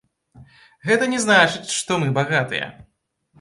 Гэта не значыць, што мы багатыя.